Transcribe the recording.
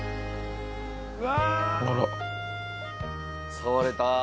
触れた。